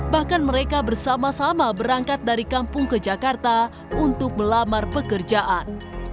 bahkan mereka bersama sama berangkat dari kampung ke jakarta untuk melamar pekerjaan